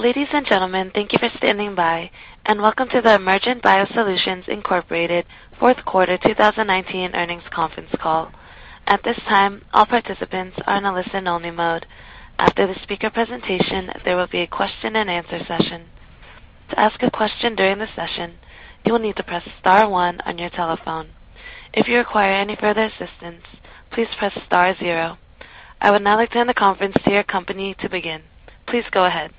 Ladies and gentlemen, thank you for standing by and welcome to the Emergent BioSolutions Inc. Fourth Quarter 2019 Earnings Conference Call. At this time, all participants are in a listen only mode. After the speaker presentation, there will be a question-and-answer session. To ask a question during the session, you will need to press star one on your telephone. If you require any further assistance, please press star zero. I would now like to hand the conference to your company to begin. Please go ahead.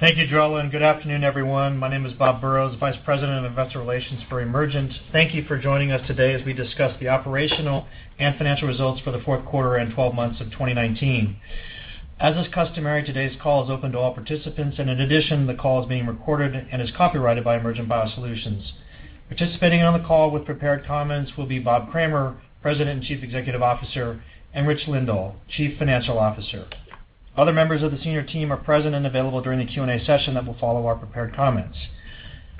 Thank you, Joella, and good afternoon, everyone. My name is Bob Burrows, Vice President of Investor Relations for Emergent BioSolutions. Thank you for joining us today as we discuss the operational and financial results for the fourth quarter and 12 months of 2019. As is customary, today's call is open to all participants. In addition, the call is being recorded and is copyrighted by Emergent BioSolutions. Participating on the call with prepared comments will be Bob Kramer, President and Chief Executive Officer, and Rich Lindahl, Chief Financial Officer. Other members of the senior team are present and available during the Q&A session that will follow our prepared comments.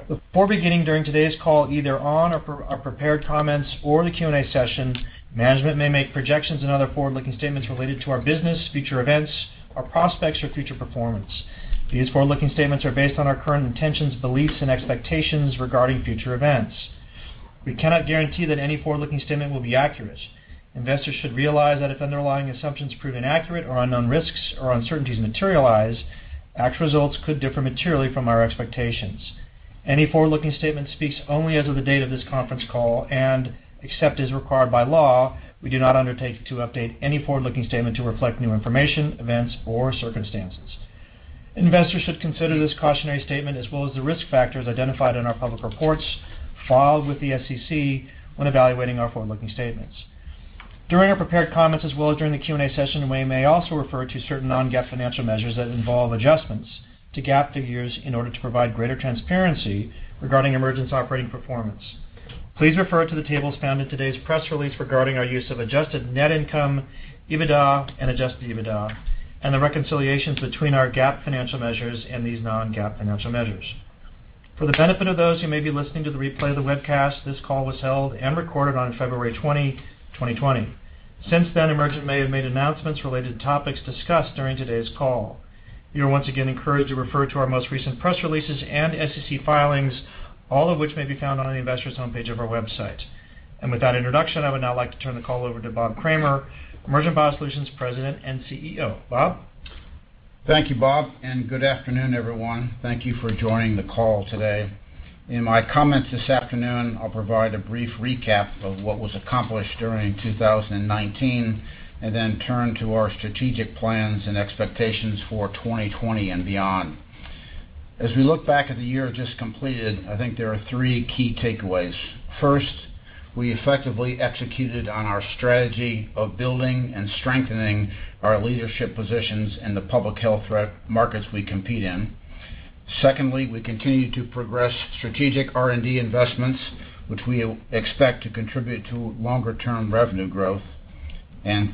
Before beginning, during today's call, either on our prepared comments or the Q&A session, management may make projections and other forward-looking statements related to our business, future events, our prospects, or future performance. These forward-looking statements are based on our current intentions, beliefs and expectations regarding future events. We cannot guarantee that any forward-looking statement will be accurate. Investors should realize that if underlying assumptions prove inaccurate or unknown risks or uncertainties materialize, actual results could differ materially from our expectations. Any forward-looking statement speaks only as of the date of this conference call, and except as required by law, we do not undertake to update any forward-looking statement to reflect new information, events, or circumstances. Investors should consider this cautionary statement as well as the risk factors identified in our public reports filed with the SEC when evaluating our forward-looking statements. During our prepared comments as well as during the Q&A session, we may also refer to certain non-GAAP financial measures that involve adjustments to GAAP figures in order to provide greater transparency regarding Emergent's operating performance. Please refer to the tables found in today's press release regarding our use of adjusted net income, EBITDA and adjusted EBITDA, and the reconciliations between our GAAP financial measures and these non-GAAP financial measures. For the benefit of those who may be listening to the replay of the webcast, this call was held and recorded on February 20, 2020. Since then, Emergent may have made announcements related to topics discussed during today's call. You are once again encouraged to refer to our most recent press releases and SEC filings, all of which may be found on the investors home page of our website. With that introduction, I would now like to turn the call over to Bob Kramer, Emergent BioSolutions President and CEO. Bob? Thank you, Bob. Good afternoon, everyone. Thank you for joining the call today. In my comments this afternoon, I'll provide a brief recap of what was accomplished during 2019 and then turn to our strategic plans and expectations for 2020 and beyond. As we look back at the year just completed, I think there are three key takeaways. First, we effectively executed on our strategy of building and strengthening our leadership positions in the public health threat markets we compete in. Secondly, we continue to progress strategic R&D investments, which we expect to contribute to longer term revenue growth.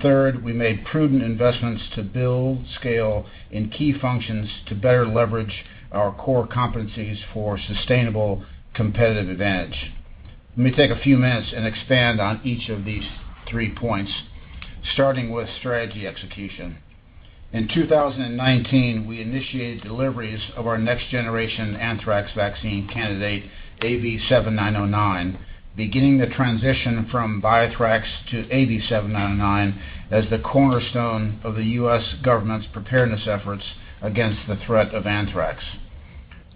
Third, we made prudent investments to build scale in key functions to better leverage our core competencies for sustainable competitive advantage. Let me take a few minutes and expand on each of these three points, starting with strategy execution. In 2019, we initiated deliveries of our next generation anthrax vaccine candidate, AV7909, beginning the transition from BioThrax to AV7909 as the cornerstone of the U.S. government's preparedness efforts against the threat of anthrax.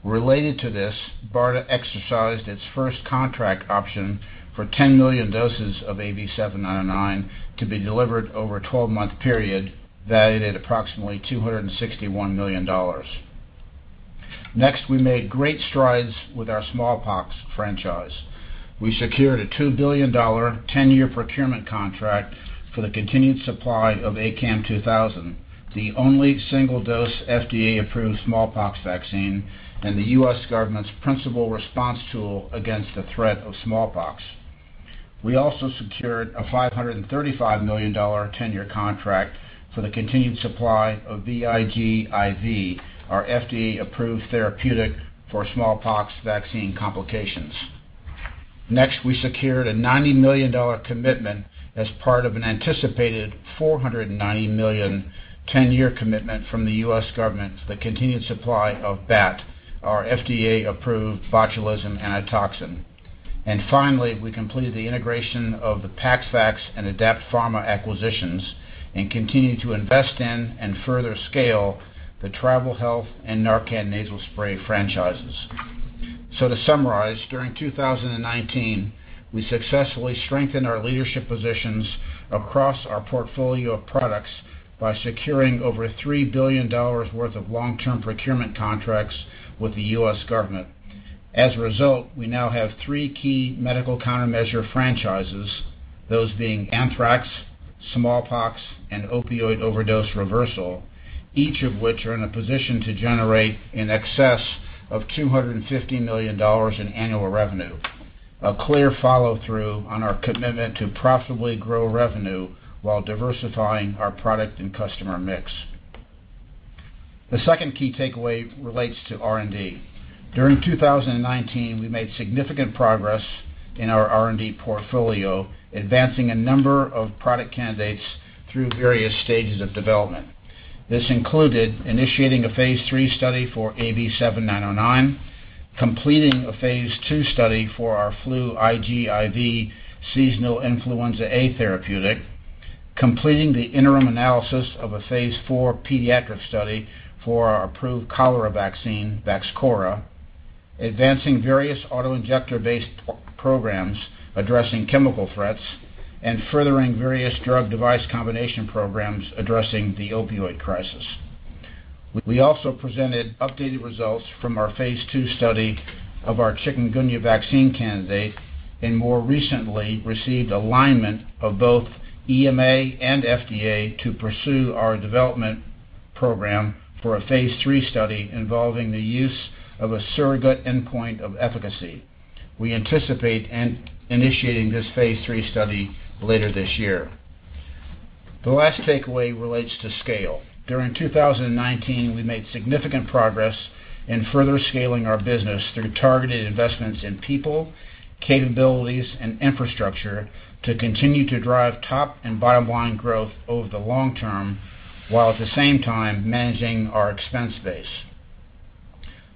Related to this, BARDA exercised its first contract option for 10 million doses of AV7909 to be delivered over a 12-month period valued at approximately $261 million. Next, we made great strides with our smallpox franchise. We secured a $2 billion, 10-year procurement contract for the continued supply of ACAM2000, the only single-dose FDA-approved smallpox vaccine and the U.S. government's principal response tool against the threat of smallpox. We also secured a $535 million 10-year contract for the continued supply of VIGIV, our FDA-approved therapeutic for smallpox vaccine complications. We secured a $90 million commitment as part of an anticipated $490 million 10-year commitment from the U.S. government for the continued supply of BAT, our FDA-approved botulism antitoxin. Finally, we completed the integration of the PaxVax and Adapt Pharma acquisitions and continued to invest in and further scale the Travel Health and NARCAN Nasal Spray franchises. To summarize, during 2019, we successfully strengthened our leadership positions across our portfolio of products by securing over $3 billion worth of long-term procurement contracts with the U.S. government. As a result, we now have three key medical countermeasure franchises, those being anthrax, smallpox, and opioid overdose reversal, each of which are in a position to generate in excess of $250 million in annual revenue. A clear follow-through on our commitment to profitably grow revenue while diversifying our product and customer mix. The second key takeaway relates to R&D. During 2019, we made significant progress in our R&D portfolio, advancing a number of product candidates through various stages of development. This included initiating a phase III study for AV7909, completing a phase II study for our FLU-IGIV seasonal influenza A therapeutic, completing the interim analysis of a phase IV pediatric study for our approved cholera vaccine, Vaxchora, advancing various autoinjector-based programs addressing chemical threats, and furthering various drug device combination programs addressing the opioid crisis. We also presented updated results from our phase II study of our Chikungunya vaccine candidate, and more recently, received alignment of both EMA and FDA to pursue our development program for a phase III study involving the use of a surrogate endpoint of efficacy. We anticipate initiating this phase III study later this year. The last takeaway relates to scale. During 2019, we made significant progress in further scaling our business through targeted investments in people, capabilities, and infrastructure to continue to drive top and bottom-line growth over the long term, while at the same time managing our expense base.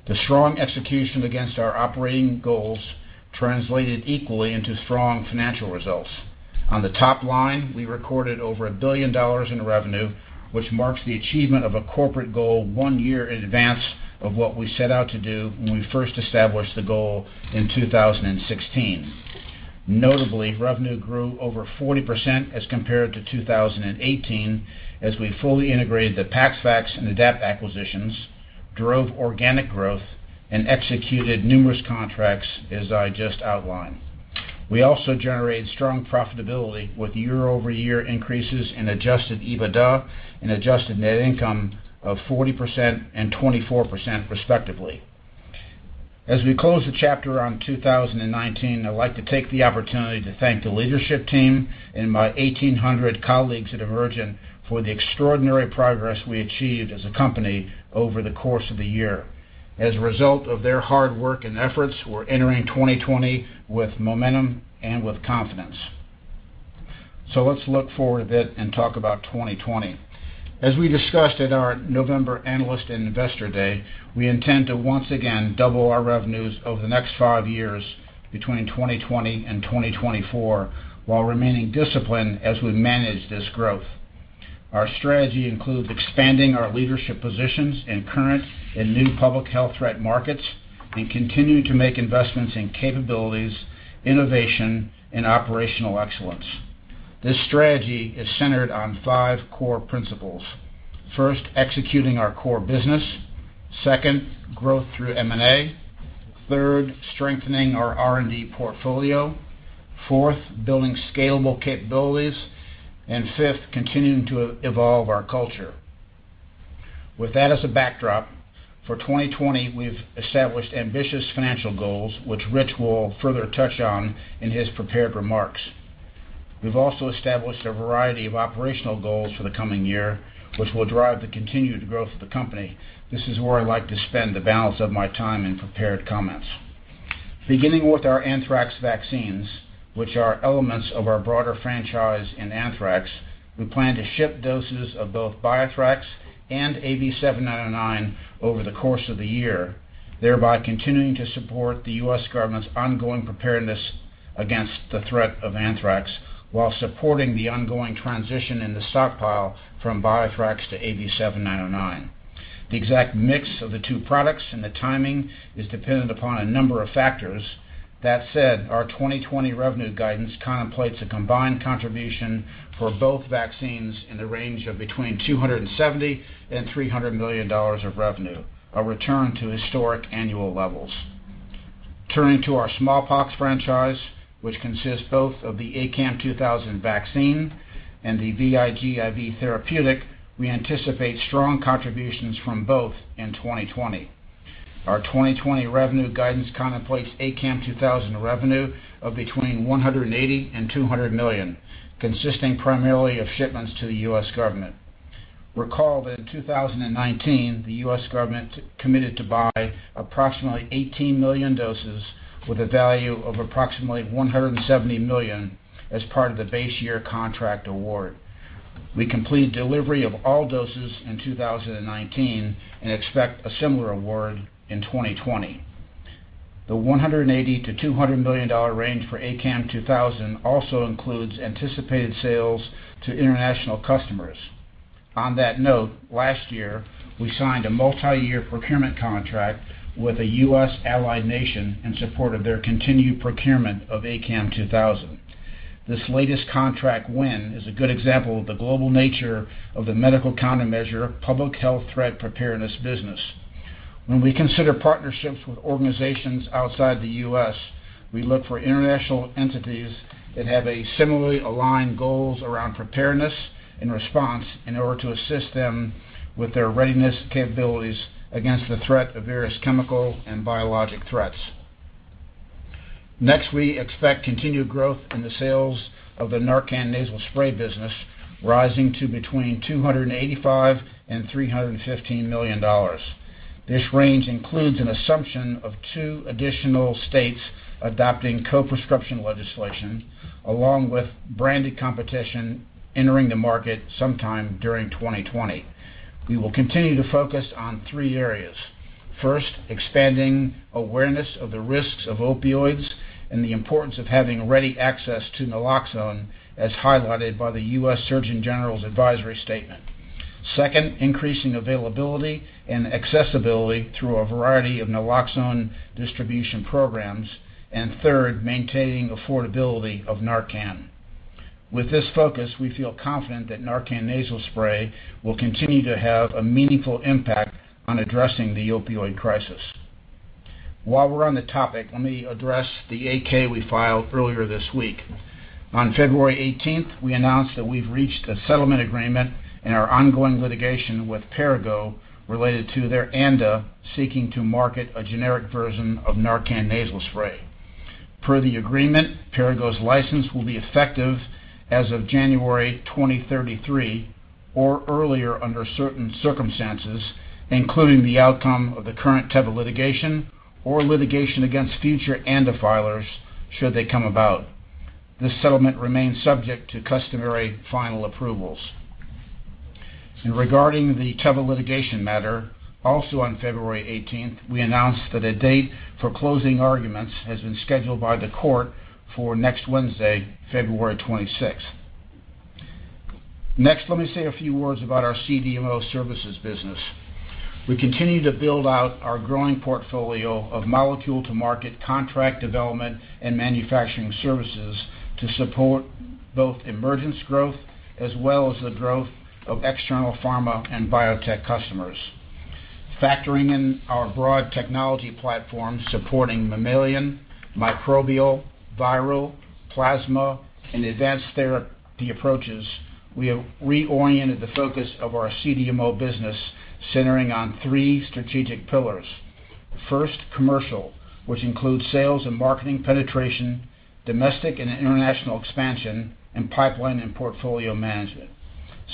The strong execution against our operating goals translated equally into strong financial results. On the top line, we recorded over $1 billion in revenue, which marks the achievement of a corporate goal one year in advance of what we set out to do when we first established the goal in 2016. Notably, revenue grew over 40% as compared to 2018, as we fully integrated the PaxVax and Adapt acquisitions, drove organic growth, and executed numerous contracts as I just outlined. We also generated strong profitability with year-over-year increases in adjusted EBITDA and adjusted net income of 40% and 24% respectively. As we close the chapter on 2019, I'd like to take the opportunity to thank the leadership team and my 1,800 colleagues at Emergent for the extraordinary progress we achieved as a company over the course of the year. As a result of their hard work and efforts, we're entering 2020 with momentum and with confidence. Let's look forward a bit and talk about 2020. As we discussed at our November Analyst and Investor Day, we intend to once again double our revenues over the next five years between 2020 and 2024, while remaining disciplined as we manage this growth. Our strategy includes expanding our leadership positions in current and new public health threat markets and continuing to make investments in capabilities, innovation, and operational excellence. This strategy is centered on five core principles. First, executing our core business. Second, growth through M&A. Third, strengthening our R&D portfolio. Fourth, building scalable capabilities, fifth, continuing to evolve our culture. With that as a backdrop, for 2020, we've established ambitious financial goals, which Rich will further touch on in his prepared remarks. We've also established a variety of operational goals for the coming year, which will drive the continued growth of the company. This is where I'd like to spend the balance of my time in prepared comments. Beginning with our anthrax vaccines, which are elements of our broader franchise in anthrax, we plan to ship doses of both BioThrax and AV7909 over the course of the year, thereby continuing to support the U.S. government's ongoing preparedness against the threat of anthrax while supporting the ongoing transition in the stockpile from BioThrax to AV7909. The exact mix of the two products and the timing is dependent upon a number of factors. That said, our 2020 revenue guidance contemplates a combined contribution for both vaccines in the range of between $270 million and $300 million of revenue, a return to historic annual levels. Turning to our smallpox franchise, which consists both of the ACAM2000 vaccine and the VIGIV therapeutic, we anticipate strong contributions from both in 2020. Our 2020 revenue guidance contemplates ACAM2000 revenue of between $180 million and $200 million, consisting primarily of shipments to the U.S. government. Recall that in 2019, the U.S. government committed to buy approximately 18 million doses with a value of approximately $170 million as part of the base year contract award. We completed delivery of all doses in 2019 and expect a similar award in 2020. The $180 million-$200 million range for ACAM2000 also includes anticipated sales to international customers. On that note, last year, we signed a multi-year procurement contract with a U.S. allied nation in support of their continued procurement of ACAM2000. This latest contract win is a good example of the global nature of the medical countermeasure public health threat preparedness business. When we consider partnerships with organizations outside the U.S., we look for international entities that have a similarly aligned goals around preparedness and response in order to assist them with their readiness capabilities against the threat of various chemical and biologic threats. Next, we expect continued growth in the sales of the NARCAN Nasal Spray business, rising to between $285 million and $315 million. This range includes an assumption of two additional states adopting co-prescription legislation, along with branded competition entering the market sometime during 2020. We will continue to focus on three areas. First, expanding awareness of the risks of opioids and the importance of having ready access to naloxone, as highlighted by the U.S. Surgeon General's advisory statement. Second, increasing availability and accessibility through a variety of naloxone distribution programs. Third, maintaining affordability of NARCAN. With this focus, we feel confident that NARCAN Nasal Spray will continue to have a meaningful impact on addressing the opioid crisis. While we're on the topic, let me address the 8-K we filed earlier this week. On February 18th, we announced that we've reached a settlement agreement in our ongoing litigation with Perrigo related to their ANDA seeking to market a generic version of NARCAN Nasal Spray. Per the agreement, Perrigo's license will be effective as of January 2033 or earlier under certain circumstances, including the outcome of the current Teva litigation or litigation against future ANDA filers should they come about. The settlement remains subject to customary final approvals. Regarding the Teva litigation matter, also on February 18th, we announced that a date for closing arguments has been scheduled by the court for next Wednesday, February 26th. Let me say a few words about our CDMO services business. We continue to build out our growing portfolio of molecule-to-market contract development and manufacturing services to support both Emergent's growth as well as the growth of external pharma and biotech customers. Factoring in our broad technology platform supporting mammalian, microbial, viral, plasma, and advanced therapy approaches, we have reoriented the focus of our CDMO business centering on three strategic pillars. First, commercial, which includes sales and marketing penetration, domestic and international expansion, and pipeline and portfolio management.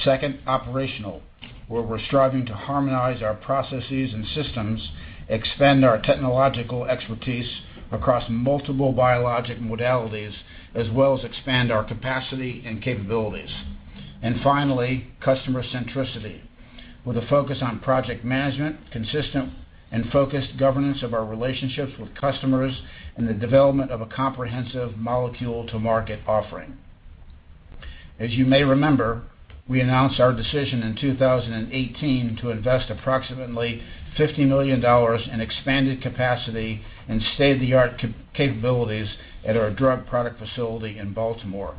Second, operational, where we're striving to harmonize our processes and systems, expand our technological expertise across multiple biologic modalities, as well as expand our capacity and capabilities. Finally, customer centricity, with a focus on project management, consistent and focused governance of our relationships with customers, and the development of a comprehensive molecule to market offering. As you may remember, we announced our decision in 2018 to invest approximately $50 million in expanded capacity and state-of-the-art capabilities at our drug product facility in Baltimore.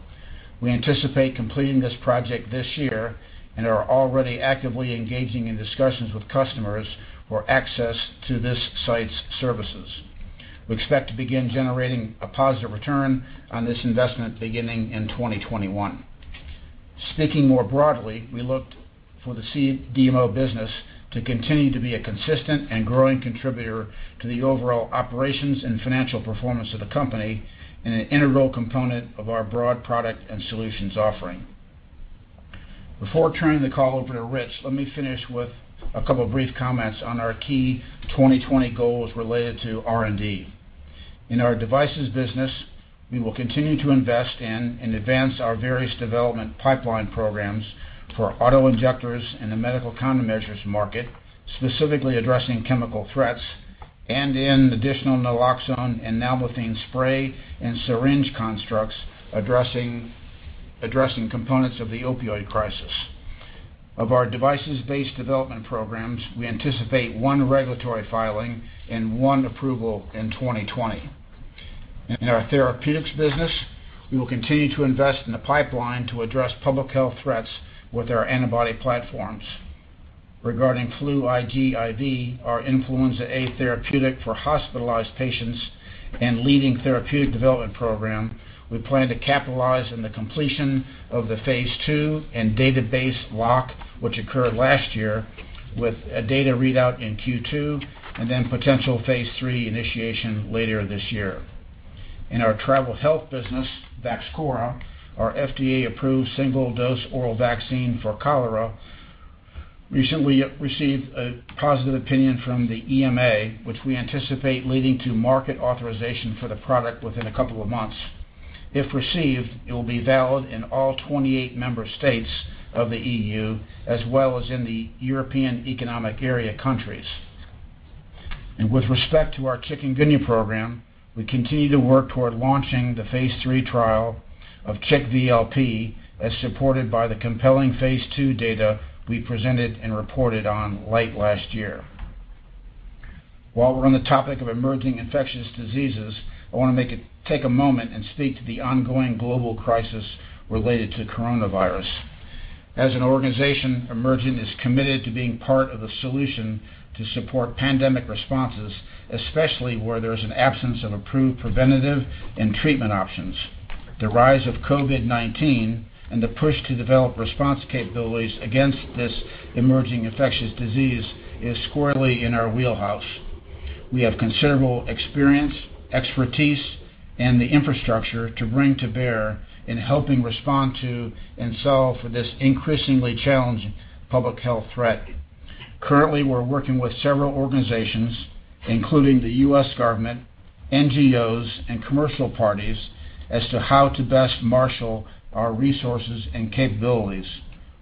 We anticipate completing this project this year and are already actively engaging in discussions with customers for access to this site's services. We expect to begin generating a positive return on this investment beginning in 2021. Speaking more broadly, we look for the CDMO business to continue to be a consistent and growing contributor to the overall operations and financial performance of the company and an integral component of our broad product and solutions offering. Before turning the call over to Rich, let me finish with a couple of brief comments on our key 2020 goals related to R&D. In our devices business, we will continue to invest in and advance our various development pipeline programs for autoinjectors in the medical countermeasures market, specifically addressing chemical threats, and in additional naloxone and nalmefene spray and syringe constructs addressing components of the opioid crisis. Of our devices-based development programs, we anticipate one regulatory filing and one approval in 2020. In our therapeutics business, we will continue to invest in the pipeline to address public health threats with our antibody platforms. Regarding FLU-IGIV, our influenza A therapeutic for hospitalized patients and leading therapeutic development program, we plan to capitalize on the completion of the phase II and database lock which occurred last year with a data readout in Q2, potential phase III initiation later this year. In our travel health business, Vaxchora, our FDA-approved single-dose oral vaccine for cholera, recently received a positive opinion from the EMA, which we anticipate leading to market authorization for the product within a couple of months. If received, it will be valid in all 28 member states of the E.U., as well as in the European Economic Area countries. With respect to our chikungunya program, we continue to work toward launching the phase III trial of CHIKV VLP, as supported by the compelling phase II data we presented and reported on late last year. While we're on the topic of emerging infectious diseases, I want to take a moment and speak to the ongoing global crisis related to coronavirus. As an organization, Emergent is committed to being part of the solution to support pandemic responses, especially where there is an absence of approved preventative and treatment options. The rise of COVID-19 and the push to develop response capabilities against this emerging infectious disease is squarely in our wheelhouse. We have considerable experience, expertise, and the infrastructure to bring to bear in helping respond to and solve this increasingly challenging public health threat. Currently, we're working with several organizations, including the U.S. government, NGOs, and commercial parties, as to how to best marshal our resources and capabilities,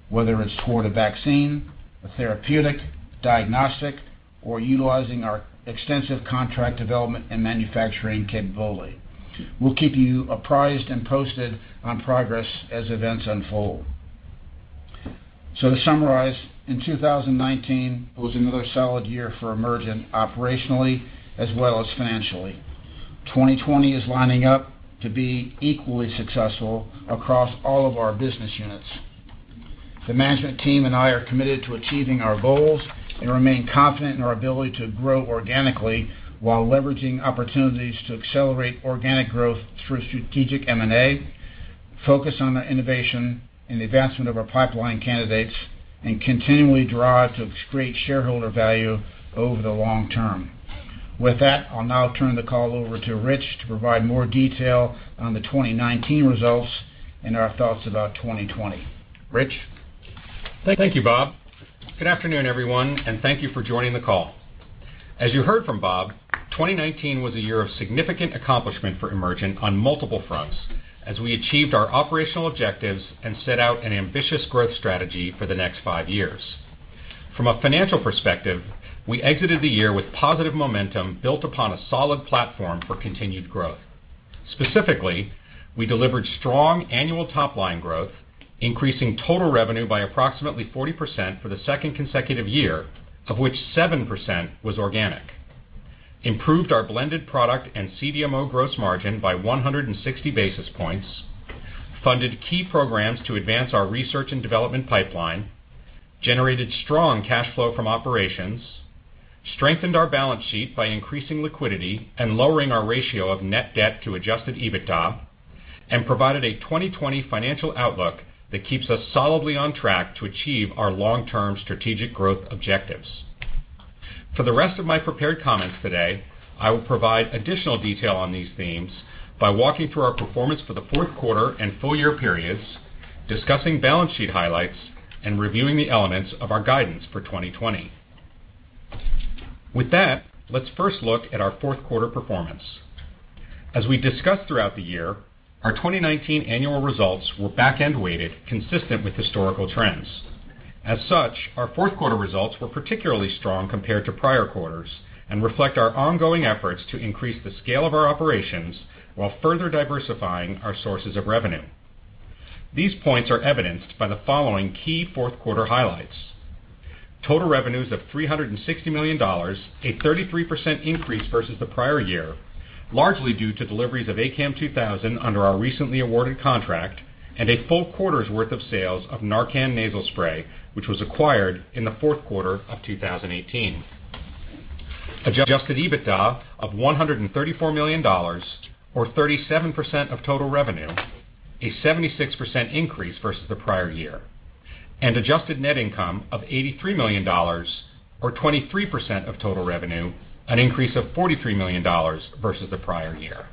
whether it's toward a vaccine, a therapeutic, diagnostic, or utilizing our extensive contract development and manufacturing capability. We'll keep you apprised and posted on progress as events unfold. To summarize, in 2019, it was another solid year for Emergent operationally as well as financially. 2020 is lining up to be equally successful across all of our business units. The management team and I are committed to achieving our goals and remain confident in our ability to grow organically while leveraging opportunities to accelerate organic growth through strategic M&A, focus on the innovation and advancement of our pipeline candidates, and continually drive to create shareholder value over the long term. With that, I'll now turn the call over to Rich to provide more detail on the 2019 results and our thoughts about 2020. Rich? Thank you, Bob. Good afternoon, everyone, and thank you for joining the call. As you heard from Bob, 2019 was a year of significant accomplishment for Emergent on multiple fronts as we achieved our operational objectives and set out an ambitious growth strategy for the next five years. From a financial perspective, we exited the year with positive momentum built upon a solid platform for continued growth. Specifically, we delivered strong annual top-line growth, increasing total revenue by approximately 40% for the second consecutive year, of which 7% was organic, improved our blended product and CDMO gross margin by 160 basis points, funded key programs to advance our research and development pipeline, generated strong cash flow from operations, strengthened our balance sheet by increasing liquidity and lowering our ratio of net debt to adjusted EBITDA, and provided a 2020 financial outlook that keeps us solidly on track to achieve our long-term strategic growth objectives. For the rest of my prepared comments today, I will provide additional detail on these themes by walking through our performance for the fourth quarter and full year periods, discussing balance sheet highlights, and reviewing the elements of our guidance for 2020. With that, let's first look at our fourth quarter performance. As we discussed throughout the year, our 2019 annual results were back-end weighted, consistent with historical trends. As such, our fourth quarter results were particularly strong compared to prior quarters and reflect our ongoing efforts to increase the scale of our operations while further diversifying our sources of revenue. These points are evidenced by the following key fourth quarter highlights. Total revenues of $360 million, a 33% increase versus the prior year, largely due to deliveries of ACAM2000 under our recently awarded contract and a full quarter's worth of sales of NARCAN Nasal Spray, which was acquired in the fourth quarter of 2018. Adjusted EBITDA of $134 million, or 37% of total revenue, a 76% increase versus the prior year. Adjusted net income of $83 million, or 23% of total revenue, an increase of $43 million versus the prior year.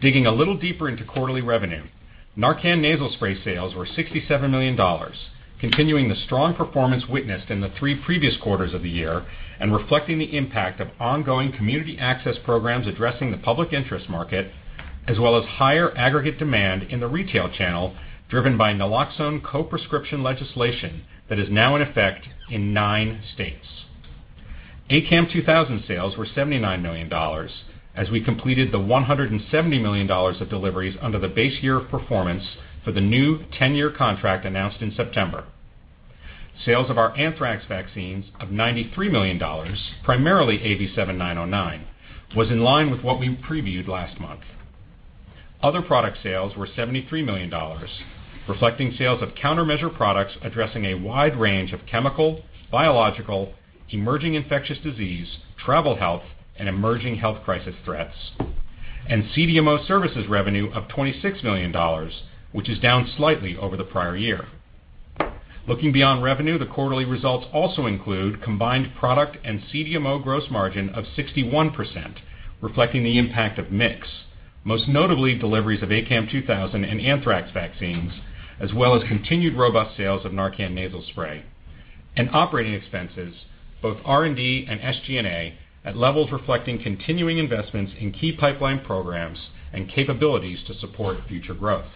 Digging a little deeper into quarterly revenue, NARCAN Nasal Spray sales were $67 million, continuing the strong performance witnessed in the three previous quarters of the year and reflecting the impact of ongoing community access programs addressing the public interest market, as well as higher aggregate demand in the retail channel driven by naloxone co-prescription legislation that is now in effect in nine states. ACAM2000 sales were $79 million as we completed the $170 million of deliveries under the base year of performance for the new 10-year contract announced in September. Sales of our anthrax vaccines of $93 million, primarily AV7909, was in line with what we previewed last month. Other product sales were $73 million, reflecting sales of countermeasure products addressing a wide range of chemical, biological, emerging infectious disease, travel health, and emerging health crisis threats. CDMO services revenue of $26 million, which is down slightly over the prior year. Looking beyond revenue, the quarterly results also include combined product and CDMO gross margin of 61%, reflecting the impact of mix, most notably deliveries of ACAM2000 and anthrax vaccines, as well as continued robust sales of NARCAN Nasal Spray, and operating expenses, both R&D and SG&A, at levels reflecting continuing investments in key pipeline programs and capabilities to support future growth.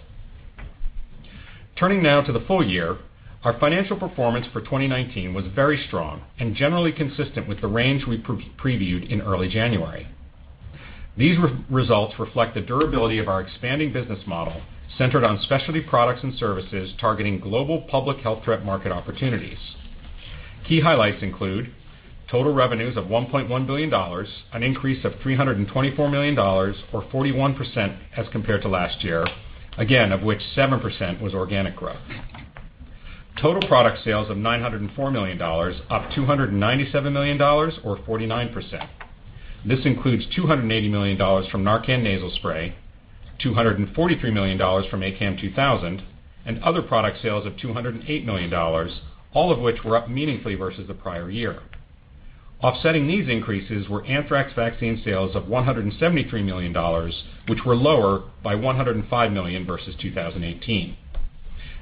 Turning now to the full year, our financial performance for 2019 was very strong and generally consistent with the range we previewed in early January. These results reflect the durability of our expanding business model centered on specialty products and services targeting global public health threat market opportunities. Key highlights include total revenues of $1.1 billion, an increase of $324 million, or 41% as compared to last year, again, of which 7% was organic growth. Total product sales of $904 million, up $297 million or 49%. This includes $280 million from NARCAN Nasal Spray, $243 million from ACAM2000, and other product sales of $208 million, all of which were up meaningfully versus the prior year. Offsetting these increases were anthrax vaccine sales of $173 million, which were lower by $105 million versus 2018.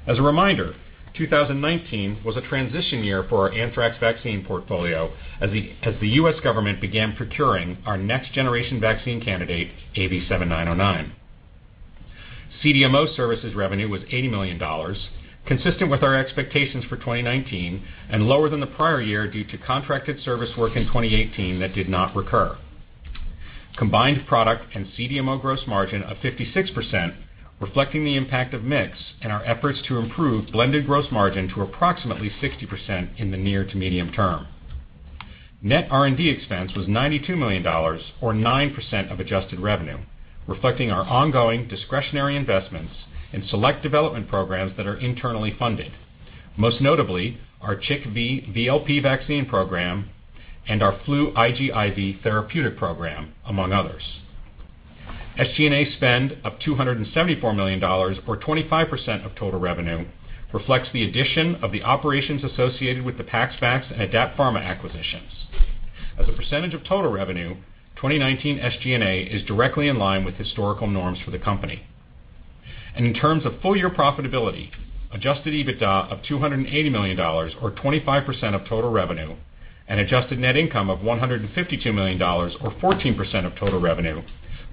As a reminder, 2019 was a transition year for our anthrax vaccine portfolio as the U.S. government began procuring our next generation vaccine candidate, AV7909. CDMO services revenue was $80 million, consistent with our expectations for 2019 and lower than the prior year due to contracted service work in 2018 that did not recur. Combined product and CDMO gross margin of 56%, reflecting the impact of mix and our efforts to improve blended gross margin to approximately 60% in the near to medium term. Net R&D expense was $92 million, or 9% of adjusted revenue, reflecting our ongoing discretionary investments in select development programs that are internally funded. Most notably, our CHIKV VLP vaccine program and our FLU-IGIV therapeutic program, among others. SG&A spend of $274 million or 25% of total revenue reflects the addition of the operations associated with the PaxVax and Adapt Pharma acquisitions. As a percentage of total revenue, 2019 SG&A is directly in line with historical norms for the company. In terms of full year profitability, adjusted EBITDA of $280 million or 25% of total revenue and adjusted net income of $152 million or 14% of total revenue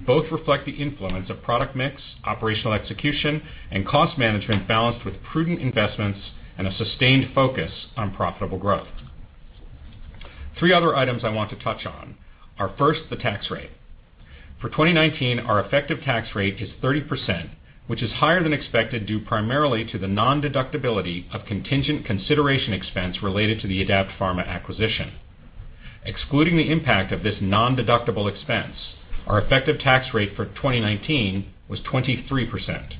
both reflect the influence of product mix, operational execution and cost management balanced with prudent investments and a sustained focus on profitable growth. Three other items I want to touch on are first, the tax rate. For 2019, our effective tax rate is 30%, which is higher than expected due primarily to the non-deductibility of contingent consideration expense related to the Adapt Pharma acquisition. Excluding the impact of this non-deductible expense, our effective tax rate for 2019 was 23%.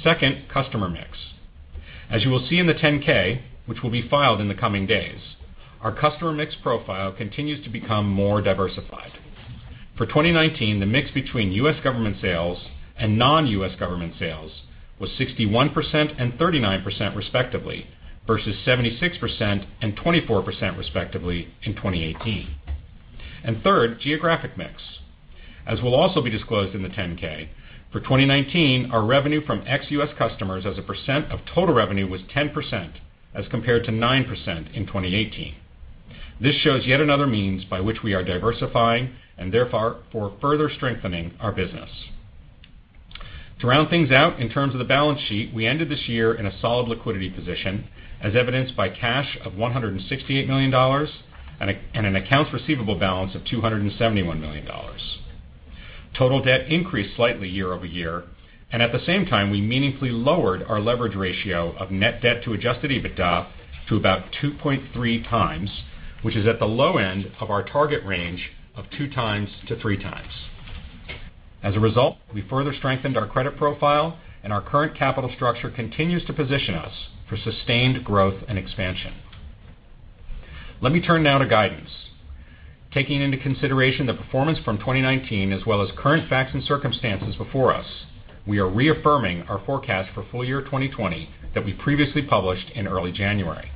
Second, customer mix. As you will see in the 10-K, which will be filed in the coming days, our customer mix profile continues to become more diversified. For 2019, the mix between U.S. government sales and non-U.S. government sales was 61% and 39%, respectively, versus 76% and 24%, respectively, in 2018. Third, geographic mix. As will also be disclosed in the 10-K, for 2019, our revenue from ex-U.S. customers as a percent of total revenue was 10%, as compared to 9% in 2018. This shows yet another means by which we are diversifying and therefore further strengthening our business. To round things out in terms of the balance sheet, we ended this year in a solid liquidity position, as evidenced by cash of $168 million and an accounts receivable balance of $271 million. Total debt increased slightly year-over-year and at the same time, we meaningfully lowered our leverage ratio of net debt to adjusted EBITDA to about 2.3x, which is at the low end of our target range of 2x-3x. As a result, we further strengthened our credit profile, and our current capital structure continues to position us for sustained growth and expansion. Let me turn now to guidance. Taking into consideration the performance from 2019 as well as current facts and circumstances before us, we are reaffirming our forecast for full year 2020 that we previously published in early January.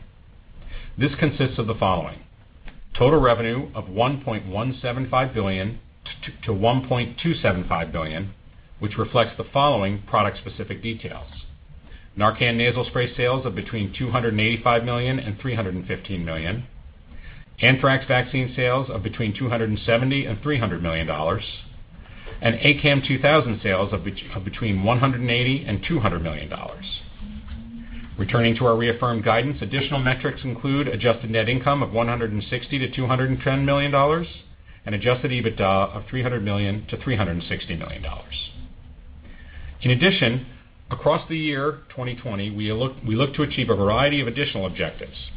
This consists of the following. Total revenue of $1.175 billion-$1.275 billion, which reflects the following product specific details. NARCAN Nasal Spray sales of between $285 million and $315 million, anthrax vaccine sales of between $270 million and $300 million, and ACAM2000 sales of between $180 million and $200 million. Returning to our reaffirmed guidance, additional metrics include adjusted net income of $160 million-$210 million and adjusted EBITDA of $300 million-$360 million. Across the year 2020, we look to achieve a variety of additional objectives,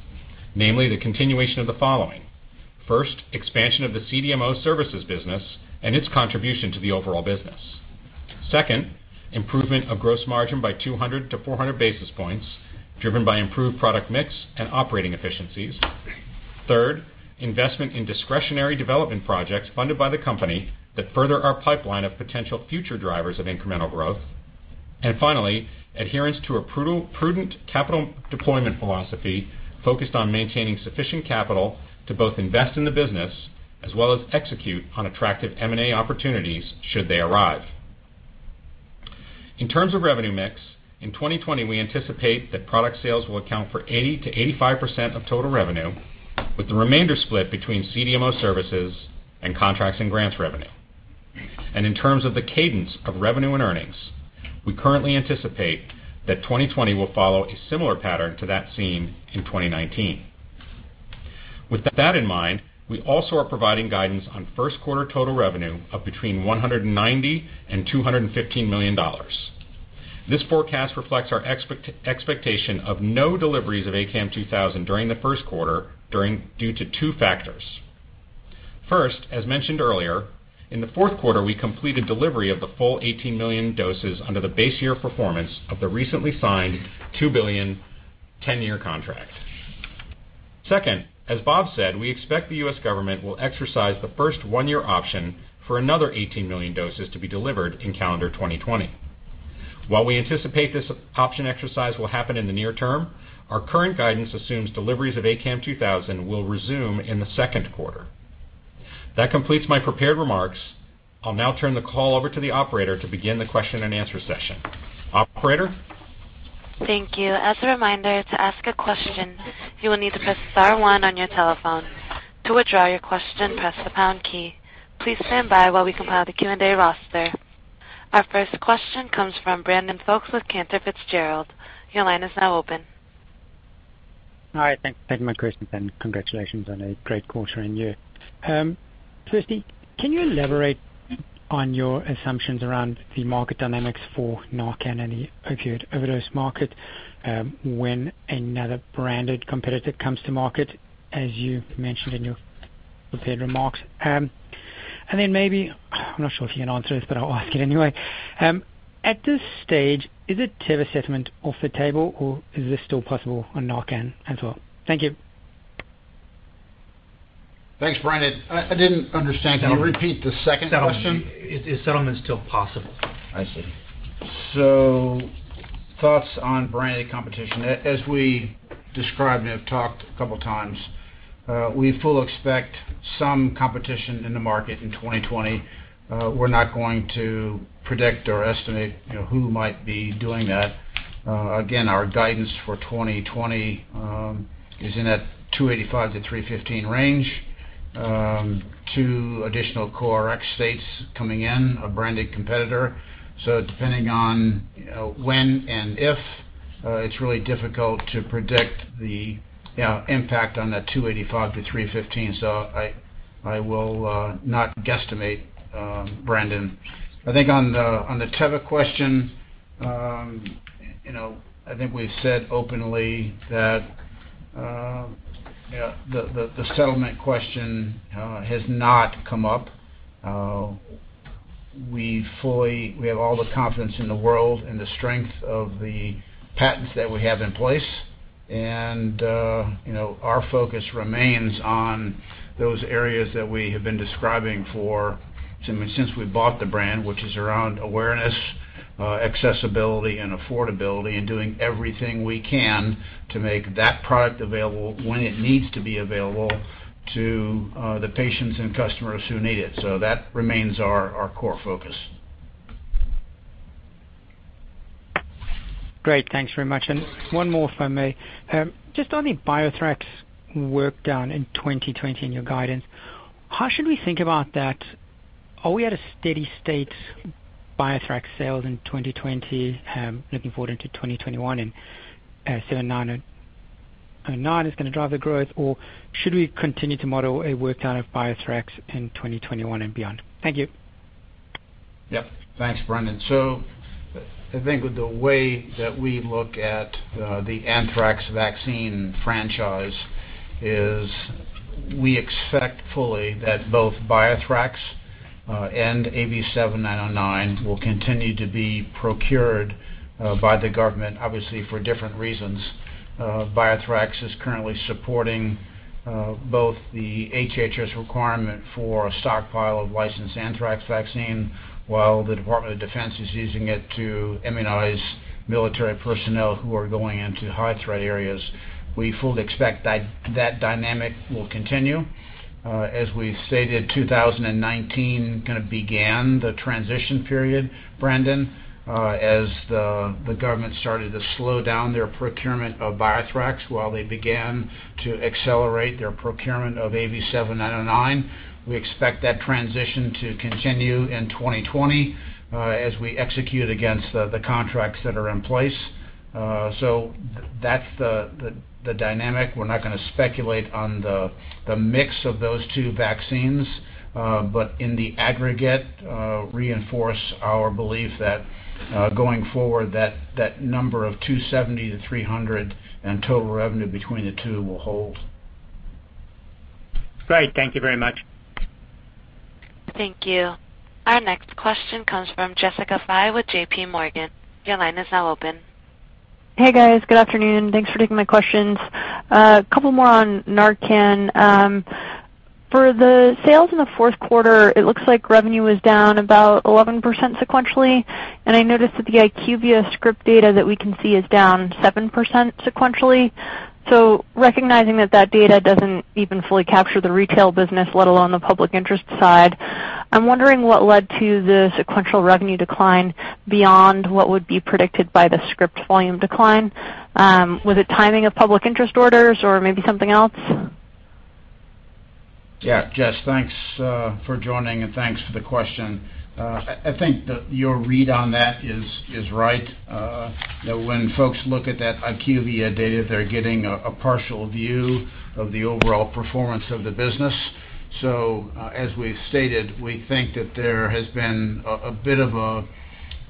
namely the continuation of the following. First, expansion of the CDMO services business and its contribution to the overall business. Second, improvement of gross margin by 200-400 basis points driven by improved product mix and operating efficiencies. Third, investment in discretionary development projects funded by the company that further our pipeline of potential future drivers of incremental growth. Finally, adherence to a prudent capital deployment philosophy focused on maintaining sufficient capital to both invest in the business as well as execute on attractive M&A opportunities should they arrive. In terms of revenue mix, in 2020 we anticipate that product sales will account for 80%-85% of total revenue with the remainder split between CDMO services and contracts and grants revenue. In terms of the cadence of revenue and earnings, we currently anticipate that 2020 will follow a similar pattern to that seen in 2019. With that in mind, we also are providing guidance on first quarter total revenue of between $190 million and $215 million. This forecast reflects our expectation of no deliveries of ACAM2000 during the first quarter due to two factors. First, as mentioned earlier, in the fourth quarter, we completed delivery of the full 18 million doses under the base year performance of the recently signed $2 billion, 10-year contract. Second, as Bob said, we expect the U.S. government will exercise the first one-year option for another 18 million doses to be delivered in calendar 2020. While we anticipate this option exercise will happen in the near term, our current guidance assumes deliveries of ACAM2000 will resume in the second quarter. That completes my prepared remarks. I'll now turn the call over to the Operator to begin the question and answer session. Operator? Thank you. As a reminder, to ask a question, you will need to press star one on your telephone. To withdraw your question, press the pound key. Please stand by while we compile the Q&A roster. Our first question comes from Brandon Folkes with Cantor Fitzgerald. Your line is now open. Hi. Thank you for my questions. Congratulations on a great quarter and year. Firstly, can you elaborate on your assumptions around the market dynamics for NARCAN and the opioid overdose market when another branded competitor comes to market, as you mentioned in your prepared remarks? Maybe, I'm not sure if you can answer this, but I'll ask it anyway. At this stage, is a Teva settlement off the table, or is this still possible on NARCAN as well? Thank you. Thanks, Brandon. I didn't understand. Can you repeat the second question? Is settlement still possible? I see. Thoughts on branded competition. As we described and have talked a couple of times, we fully expect some competition in the market in 2020. We're not going to predict or estimate who might be doing that. Again, our guidance for 2020 is in that $285-$315 range. Two additional co-Rx states coming in, a branded competitor. Depending on when and if, it's really difficult to predict the impact on that $285-$315. I will not guesstimate, Brandon. I think on the Teva question, I think we've said openly that the settlement question has not come up. We have all the confidence in the world and the strength of the patents that we have in place. Our focus remains on those areas that we have been describing since we bought the brand, which is around awareness, accessibility, and affordability, and doing everything we can to make that product available when it needs to be available to the patients and customers who need it. That remains our core focus. Great. Thanks very much. One more for me. Just on the BioThrax [work done] in 2020 in your guidance, how should we think about that? Are we at a steady state BioThrax sales in 2020, looking forward into 2021, and 7909 is going to drive the growth, or should we continue to model a [work done of BioThrax in 2021 and beyond? Thank you. Yep. Thanks, Brandon. I think the way that we look at the anthrax vaccine franchise is we expect fully that both BioThrax and AV7909 will continue to be procured by the government, obviously, for different reasons. BioThrax is currently supporting both the HHS requirement for a stockpile of licensed anthrax vaccine, while the Department of Defense is using it to immunize military personnel who are going into high-threat areas. We fully expect that dynamic will continue. As we stated, 2019 kind of began the transition period, Brandon, as the government started to slow down their procurement of BioThrax while they began to accelerate their procurement of AV7909. We expect that transition to continue in 2020 as we execute against the contracts that are in place. That's the dynamic. We're not going to speculate on the mix of those two vaccines, but in the aggregate, reinforce our belief that going forward, that number of $270-$300 in total revenue between the two will hold. Great. Thank you very much. Thank you. Our next question comes from Jessica Fye with JPMorgan. Your line is now open. Hey, guys. Good afternoon. Thanks for taking my questions. A couple more on NARCAN. For the sales in the fourth quarter, it looks like revenue was down about 11% sequentially. I noticed that the IQVIA script data that we can see is down 7% sequentially. Recognizing that that data doesn't even fully capture the retail business, let alone the public interest side, I'm wondering what led to the sequential revenue decline beyond what would be predicted by the script volume decline. Was it timing of public interest orders or maybe something else? Jess, thanks for joining, and thanks for the question. I think that your read on that is right. When folks look at that IQVIA data, they're getting a partial view of the overall performance of the business. As we've stated, we think that there has been a bit of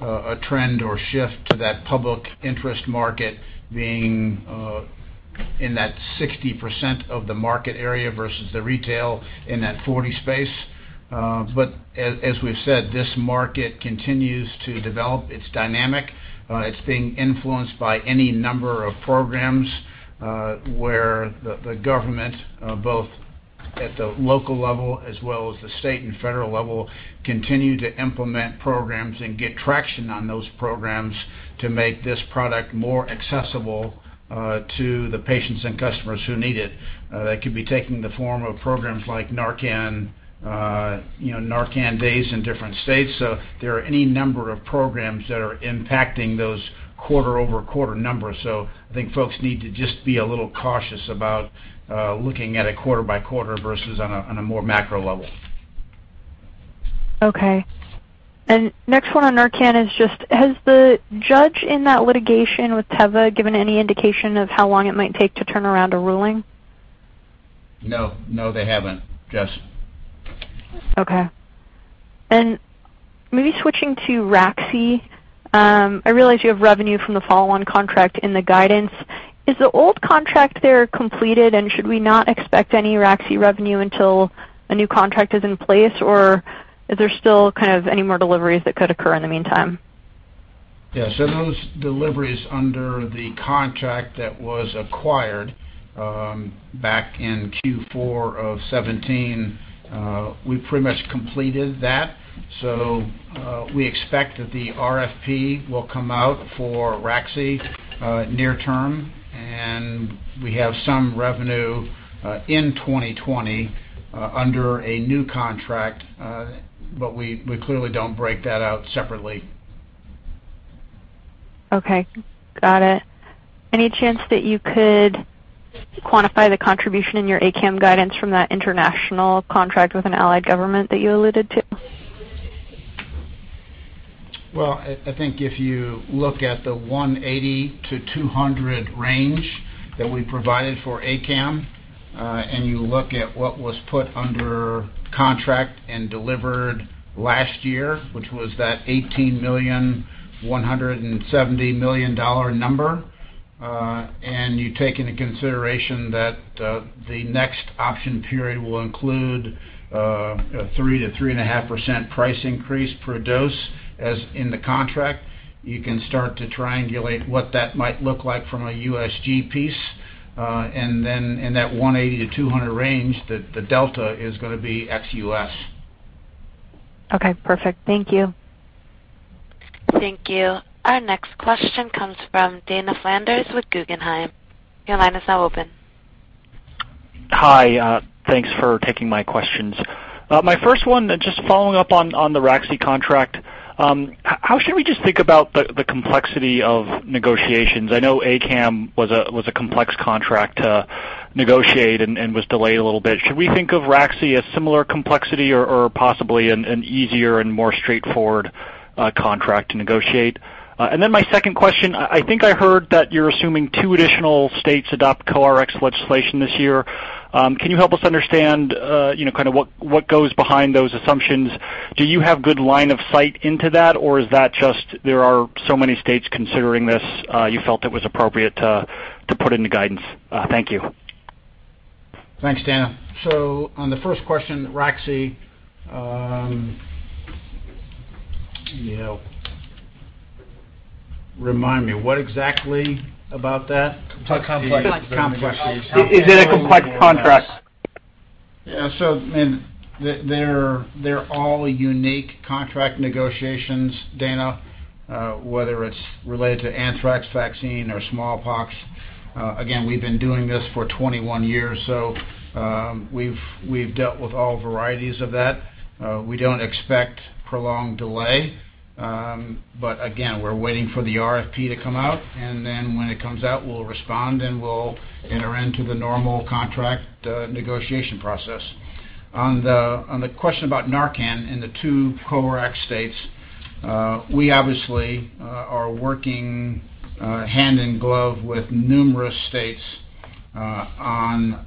a trend or shift to that public interest market being in that 60% of the market area versus the retail in that 40 space. As we've said, this market continues to develop. It's dynamic. It's being influenced by any number of programs, where the government, both at the local level as well as the state and federal level, continue to implement programs and get traction on those programs to make this product more accessible to the patients and customers who need it. That could be taking the form of programs like Narcan Days in different states. There are any number of programs that are impacting those quarter-over-quarter numbers. I think folks need to just be a little cautious about looking at a quarter-by-quarter versus on a more macro level. Okay. Next one on NARCAN is just, has the judge in that litigation with Teva given any indication of how long it might take to turn around a ruling? No, they haven't, Jess. Okay. Maybe switching to raxi. I realize you have revenue from the follow-on contract in the guidance. Is the old contract there completed, and should we not expect any raxi revenue until a new contract is in place, or is there still any more deliveries that could occur in the meantime? Yeah. Those deliveries under the contract that was acquired back in Q4 of 2017, we pretty much completed that. We expect that the RFP will come out for raxi near term, and we have some revenue in 2020 under a new contract. We clearly don't break that out separately. Okay. Got it. Any chance that you could quantify the contribution in your ACAM guidance from that international contract with an allied government that you alluded to? Well, I think if you look at the $180-$200 range that we provided for ACAM, and you look at what was put under contract and delivered last year, which was that $18,170,000 number, and you take into consideration that the next option period will include a 3%-3.5% price increase per dose as in the contract, you can start to triangulate what that might look like from a USG piece. Then in that $180-$200 range, the delta is going to be ex-US. Okay, perfect. Thank you. Thank you. Our next question comes from Dana Flanders with Guggenheim. Your line is now open. Hi. Thanks for taking my questions. My first one, just following up on the raxi contract. How should we just think about the complexity of negotiations? I know ACAM was a complex contract to negotiate and was delayed a little bit. Should we think of raxi as similar complexity or possibly an easier and more straightforward contract to negotiate? My second question, I think I heard that you're assuming two additional states adopt co-Rx legislation this year. Can you help us understand what goes behind those assumptions? Do you have good line of sight into that, or is that just there are so many states considering this you felt it was appropriate to put in the guidance? Thank you. Thanks, Dana. On the first question, raxi, remind me, what exactly about that? The complexity of the negotiations? Is it a complex contract? They're all unique contract negotiations, Dana, whether it's related to anthrax vaccine or smallpox. Again, we've been doing this for 21 years, we've dealt with all varieties of that. We don't expect prolonged delay. Again, we're waiting for the RFP to come out, when it comes out, we'll respond, we'll enter into the normal contract negotiation process. On the question about NARCAN in the two co-Rx states, we obviously are working hand in glove with numerous states on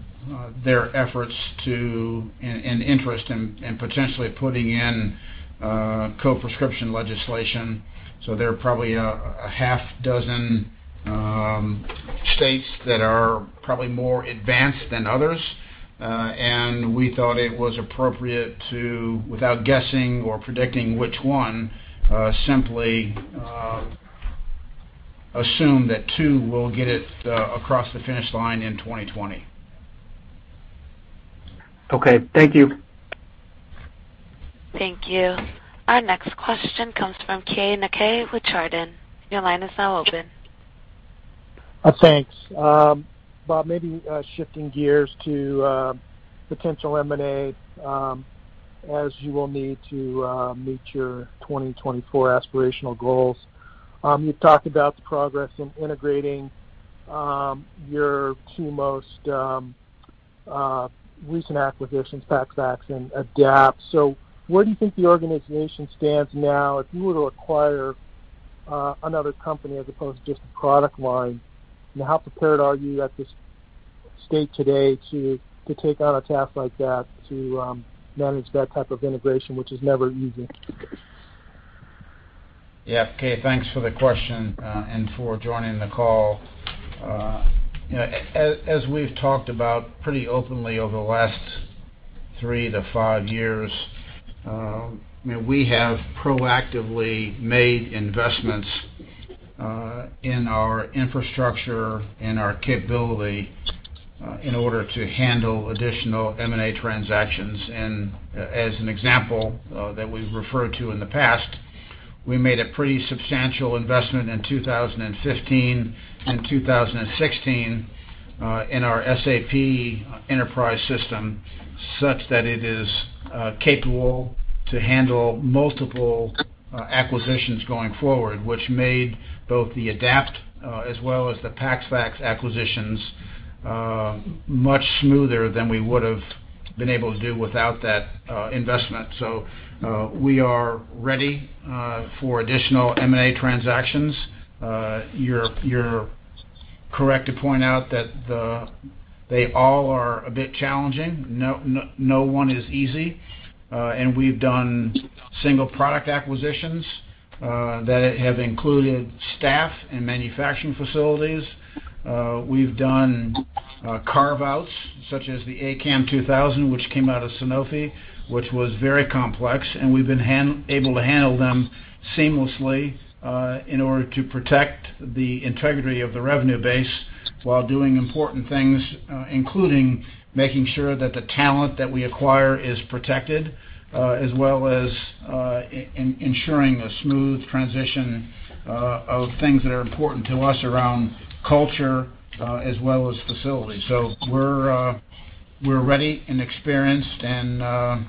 their efforts to, and interest in potentially putting in co-prescription legislation. There are probably a half dozen states that are probably more advanced than others. We thought it was appropriate to, without guessing or predicting which one, simply assume that two will get it across the finish line in 2020. Okay. Thank you. Thank you. Our next question comes from Keay Nakae with Chardan. Your line is now open. Thanks. Bob, maybe shifting gears to potential M&A, as you will need to meet your 2024 aspirational goals. You've talked about the progress in integrating your two most recent acquisitions, PaxVax and Adapt. Where do you think the organization stands now if you were to acquire another company as opposed to just a product line? How prepared are you at this state today to take on a task like that, to manage that type of integration, which is never easy. Keay, thanks for the question, and for joining the call. As we've talked about pretty openly over the last three to five years, we have proactively made investments in our infrastructure and our capability in order to handle additional M&A transactions. As an example that we've referred to in the past, we made a pretty substantial investment in 2015 and 2016 in our SAP enterprise system, such that it is capable to handle multiple acquisitions going forward, which made both the Adapt as well as the PaxVax acquisitions much smoother than we would've been able to do without that investment. We are ready for additional M&A transactions. You're correct to point out that they all are a bit challenging. No one is easy. We've done single product acquisitions that have included staff and manufacturing facilities. We've done carve-outs, such as the ACAM2000, which came out of Sanofi, which was very complex, and we've been able to handle them seamlessly, in order to protect the integrity of the revenue base while doing important things, including making sure that the talent that we acquire is protected, as well as ensuring a smooth transition of things that are important to us around culture, as well as facilities. We're ready and experienced, and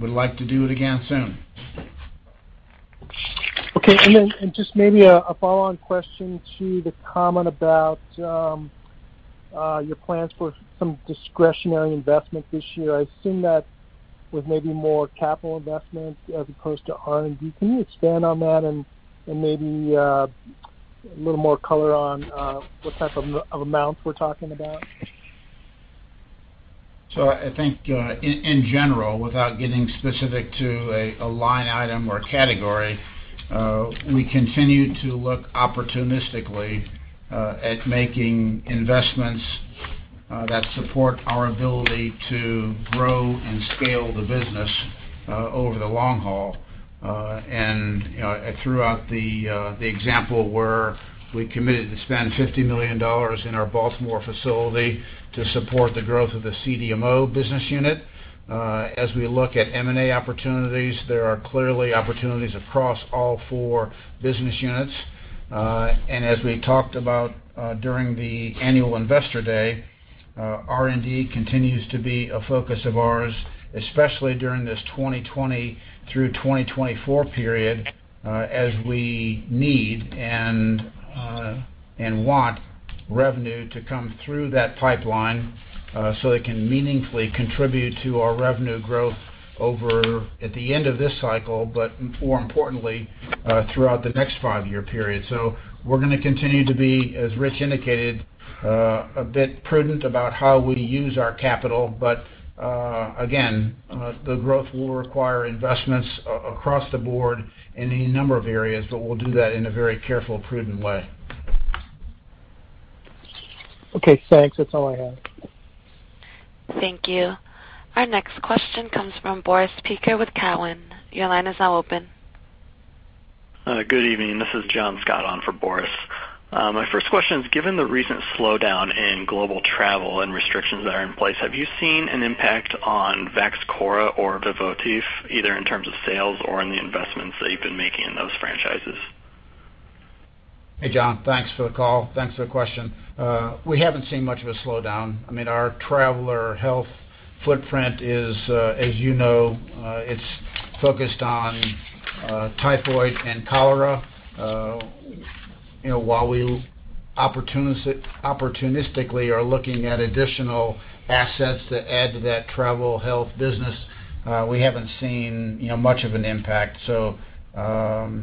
would like to do it again soon. Okay. Just maybe a follow-on question to the comment about your plans for some discretionary investment this year. I assume that with maybe more capital investments as opposed to R&D. Can you expand on that and maybe a little more color on what type of amounts we're talking about? I think, in general, without getting specific to a line item or a category, we continue to look opportunistically at making investments that support our ability to grow and scale the business over the long haul. I threw out the example where we committed to spend $50 million in our Baltimore facility to support the growth of the CDMO business unit. As we look at M&A opportunities, there are clearly opportunities across all four business units. As we talked about during the annual investor day, R&D continues to be a focus of ours, especially during this 2020 through 2024 period, as we need and want revenue to come through that pipeline, so it can meaningfully contribute to our revenue growth over at the end of this cycle, but more importantly, throughout the next five-year period. We're going to continue to be, as Rich indicated, a bit prudent about how we use our capital. Again, the growth will require investments across the board in any number of areas, but we'll do that in a very careful, prudent way. Okay, thanks. That's all I have. Thank you. Our next question comes from Boris Peaker with Cowen. Your line is now open. Good evening. This is John Scott on for Boris. My first question is, given the recent slowdown in global travel and restrictions that are in place, have you seen an impact on Vaxchora or VIVOTIF, either in terms of sales or in the investments that you've been making in those franchises? Hey, John. Thanks for the call. Thanks for the question. We haven't seen much of a slowdown. Our traveler health footprint is, as you know, it's focused on typhoid and cholera. While we opportunistically are looking at additional assets that add to that travel health business, we haven't seen much of an impact. I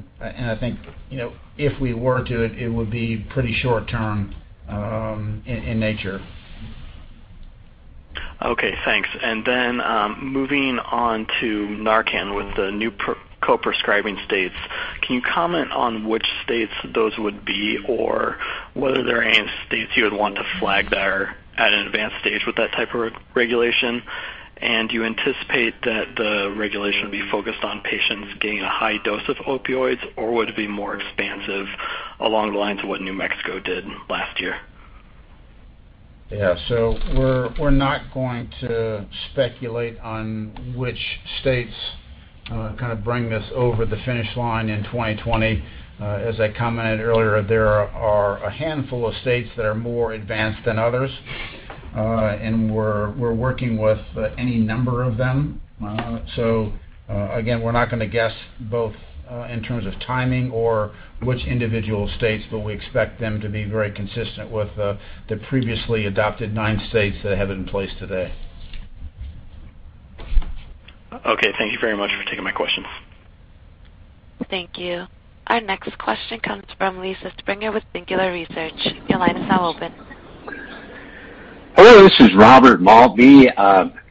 think, if we were to, it would be pretty short term in nature. Okay, thanks. Moving on to NARCAN with the new co-prescribing states, can you comment on which states those would be or whether there are any states you would want to flag that are at an advanced stage with that type of regulation? Do you anticipate that the regulation will be focused on patients getting a high dose of opioids, or would it be more expansive along the lines of what New Mexico did last year? Yeah. We're not going to speculate on which states kind of bring this over the finish line in 2020. As I commented earlier, there are a handful of states that are more advanced than others, and we're working with any number of them. Again, we're not going to guess both in terms of timing or which individual states, but we expect them to be very consistent with the previously adopted nine states that have it in place today. Okay. Thank you very much for taking my questions. Thank you. Our next question comes from Lisa Springer with Singular Research. Your line is now open. Hello, this is Robert Maltbie,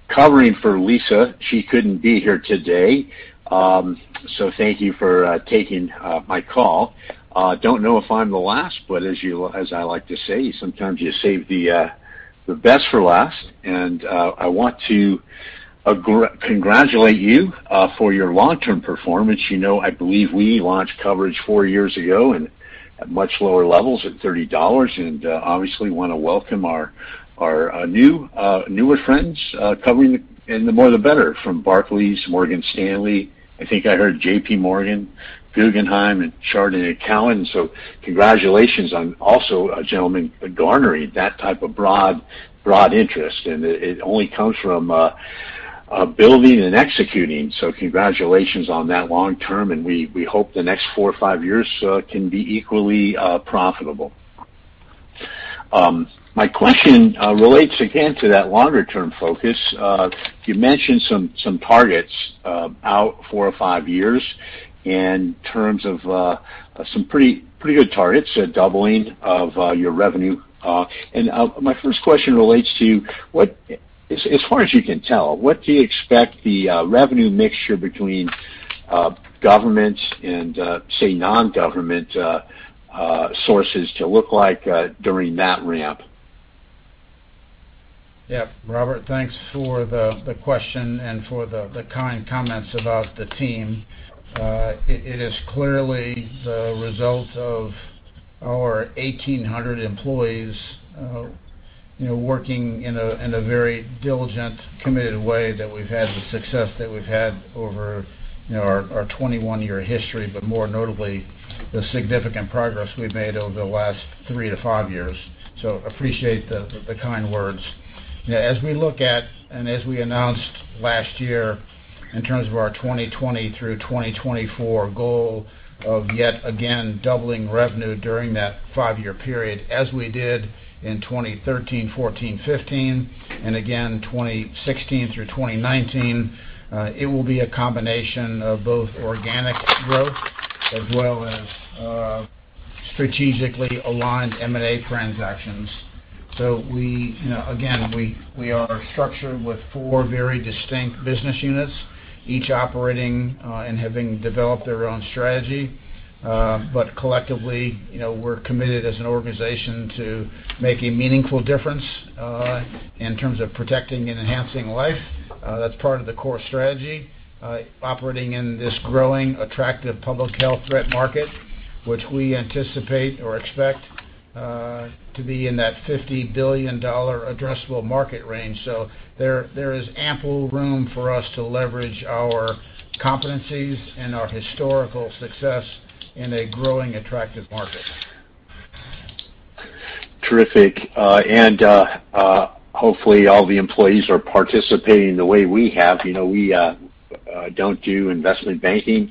covering for Lisa. She couldn't be here today. Thank you for taking my call. Don't know if I'm the last, as I like to say, sometimes you save the best for last. I want to congratulate you for your long-term performance. I believe we launched coverage four years ago and at much lower levels at $30. Obviously want to welcome our newer friends, coming in the more the better from Barclays, Morgan Stanley. I think I heard JPMorgan, Guggenheim, and Chardan and Cowen. Congratulations on also, gentlemen, garnering that type of broad interest. It only comes from building and executing. Congratulations on that long term, and we hope the next four or five years can be equally profitable. My question relates again to that longer-term focus. You mentioned some targets out four or five years in terms of some pretty good targets, a doubling of your revenue. My first question relates to as far as you can tell, what do you expect the revenue mixture between government and, say non-government sources to look like during that ramp? Yeah. Robert, thanks for the question and for the kind comments about the team. It is clearly the result of our 1,800 employees working in a very diligent, committed way that we've had the success that we've had over our 21-year history, but more notably, the significant progress we've made over the last three to five years. Appreciate the kind words. As we look at and as we announced last year in terms of our 2020 through 2024 goal of yet again doubling revenue during that five-year period as we did in 2013, 2014, 2015, and again 2016 through 2019, it will be a combination of both organic growth as well as strategically aligned M&A transactions. Again, we are structured with four very distinct business units, each operating and having developed their own strategy. Collectively, we're committed as an organization to making meaningful difference, in terms of protecting and enhancing life. That's part of the core strategy, operating in this growing attractive public health threat market, which we anticipate or expect to be in that $50 billion addressable market range. There is ample room for us to leverage our competencies and our historical success in a growing attractive market. Terrific. Hopefully all the employees are participating the way we have. We don't do investment banking.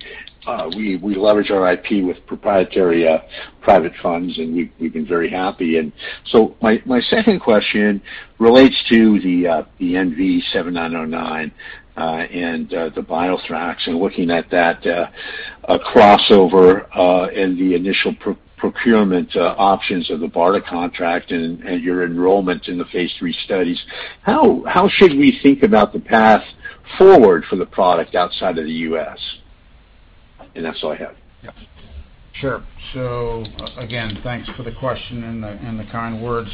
We leverage our IP with proprietary private funds, and we've been very happy. My second question relates to the AV7909, and the BioThrax and looking at that, a crossover, and the initial procurement options of the BARDA contract and your enrollment in the phase III studies. How should we think about the path forward for the product outside of the U.S.? That's all I have. Yeah. Sure. Again, thanks for the question and the kind words.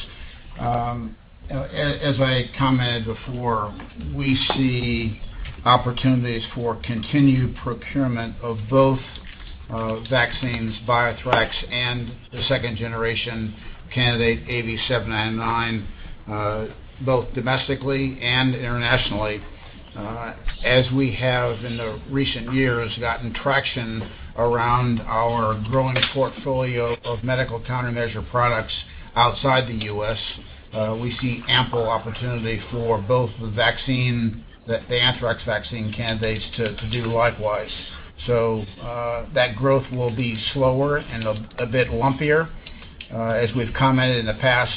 As I commented before, we see opportunities for continued procurement of both vaccines, BioThrax and the second generation candidate AV7909, both domestically and internationally. As we have in the recent years gotten traction around our growing portfolio of medical countermeasure products outside the U.S., we see ample opportunity for both the vaccine, the anthrax vaccine candidates to do likewise. That growth will be slower and a bit lumpier. As we've commented in the past,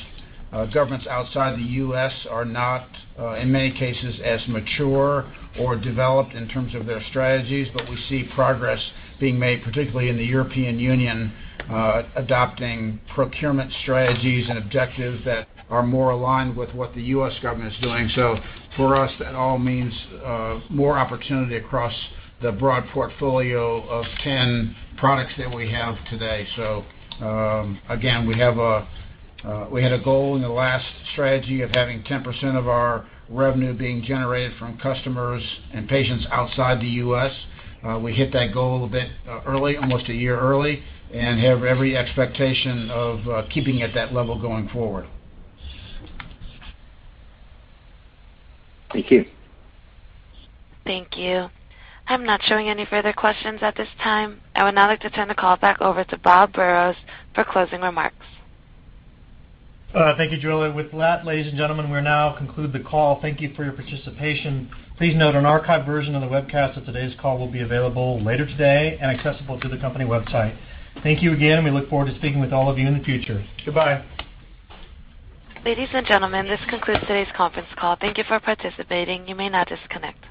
governments outside the U.S. are not, in many cases, as mature or developed in terms of their strategies, but we see progress being made, particularly in the European Union, adopting procurement strategies and objectives that are more aligned with what the U.S. government is doing. For us, that all means more opportunity across the broad portfolio of 10 products that we have today. Again, we had a goal in the last strategy of having 10% of our revenue being generated from customers and patients outside the U.S. We hit that goal a bit early, almost a year early, and have every expectation of keeping it that level going forward. Thank you. Thank you. I'm not showing any further questions at this time. I would now like to turn the call back over to Bob Burrows for closing remarks. Thank you, Julia. With that, ladies and gentlemen, we will now conclude the call. Thank you for your participation. Please note an archived version of the webcast of today's call will be available later today and accessible through the company website. Thank you again. We look forward to speaking with all of you in the future. Goodbye. Ladies and gentlemen, this concludes today's conference call. Thank you for participating. You may now disconnect.